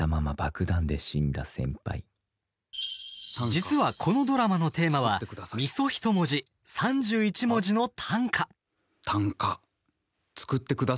実は、このドラマのテーマはみそひともじ、３１文字の短歌。